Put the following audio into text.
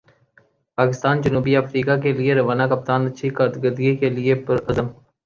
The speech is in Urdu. پاکستان ٹیم جنوبی افریقہ کیلئے روانہ کپتان اچھی کارکردگی کیلئے پر عزم